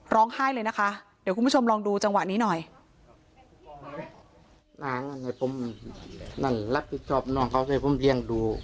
ร้องไห้เลยนะคะเดี๋ยวคุณผู้ชมลองดูจังหวะนี้หน่อย